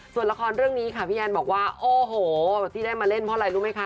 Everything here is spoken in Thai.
ส่วนละครเรื่องนี้ค่ะพี่แอนบอกว่าโอ้โหที่ได้มาเล่นเพราะอะไรรู้ไหมคะ